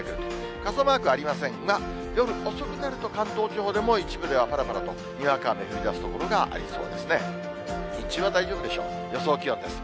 傘マークありませんが、夜遅くなると、関東地方でも一部ではぱらぱらとにわか雨が降りだす所がありそうですね。